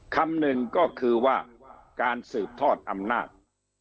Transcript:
คำหนึ่งก็คือว่าการสืบทอดอำนาจ